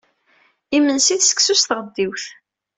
Imensi d seksu s tɣeddiwt